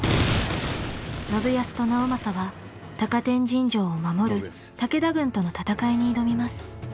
信康と直政は高天神城を守る武田軍との戦いに挑みます。